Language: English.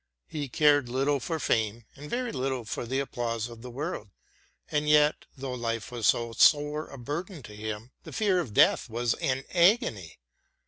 He cared little for fame, and very little for the applause of the world. And yet, though Hfe was so sore a burden to him, the fear of death was an agony.